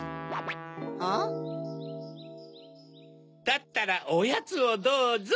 だったらおやつをどうぞ。